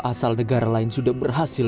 asal negara lain sudah berhasil